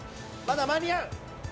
「まだ間に合う！」